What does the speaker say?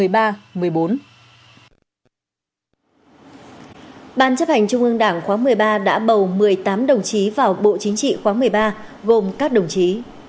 ban chấp hành trung ương đảng khóa một mươi ba đã bầu một mươi tám đồng chí vào bộ chính trị khóa một mươi ba gồm các đồng chí